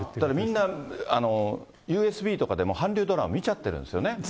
みんなＵＳＢとかでも韓流ドラマ見ちゃってるんですよね。